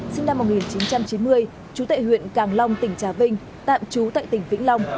sinh năm một nghìn chín trăm chín mươi chú tệ huyện càng long tỉnh trà vinh tạm trú tại tỉnh vĩnh long